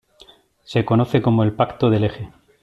Se conoce como el Pacto del Eje.